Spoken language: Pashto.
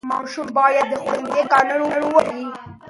ماشومان باید د ښوونځي قانون ومني.